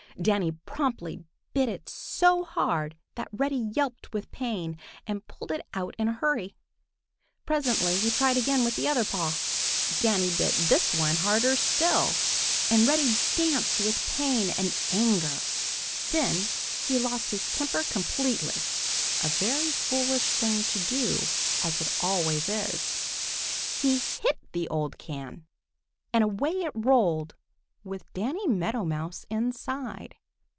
Danny promptly bit it so hard that Reddy yelped with pain and pulled it out in a hurry. Presently he tried again with the other paw. Danny bit this one harder still, and Reddy danced with pain and anger. Then he lost his temper completely, a very foolish thing to do, as it always is. He hit the old can, and away it rolled with Danny Meadow Mouse inside.